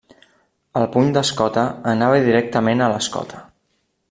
El puny d'escota anava directament a l'escota.